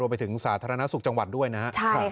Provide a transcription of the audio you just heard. ไปถึงสาธารณสุขจังหวัดด้วยนะครับ